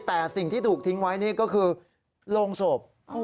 แต่สิ่งที่ถูกทิ้งไว้นี่ก็คือโรงศพ